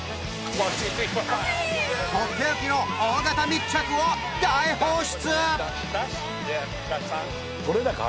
とっておきの大型密着を大放出！